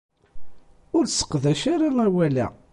Ur sseqdac ara awal-a!